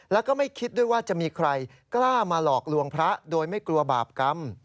แล้วก็ไม่คิดด้วยว่าจะมีใครกล้ามาหลอกลวงพระโดยไม่กลัวบาปกรรม